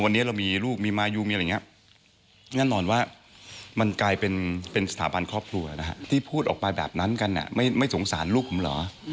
แน่นอนว่ามันกลายเป็นสถาบันครอบครัวที่พูดออกมาแบบนั้นกันไม่สงสารลูกผมเหรอ